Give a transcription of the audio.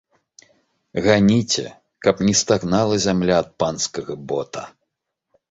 Ганіце, каб не стагнала зямля ад панскага бота.